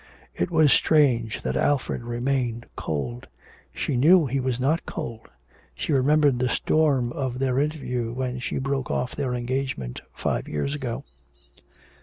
It was strange that Alfred remained cold; she knew he was not cold; she remembered the storm of their interview when she broke off her engagement five years ago.